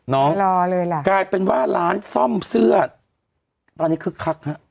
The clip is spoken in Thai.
รอเลยล่ะกลายเป็นว่าร้านซ่อมเสื้อตอนนี้คึกคักฮะ